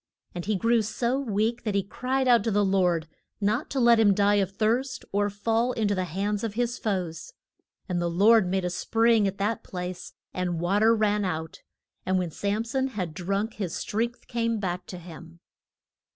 And he grew so weak that he cried out to the Lord not to let him die of thirst or fall in to the hands of his foes. And the Lord made a spring at that place and wa ter ran out, and when Sam son had drunk, his strength came back to him.